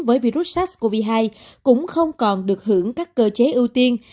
với virus sars cov hai cũng không còn được hưởng các cơ chế ưu tiên